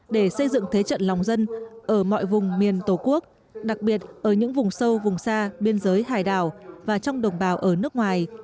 để xây dựng thế trận lòng dân ở mọi vùng miền tổ quốc đặc biệt ở những vùng sâu vùng xa biên giới hải đảo và trong đồng bào ở nước ngoài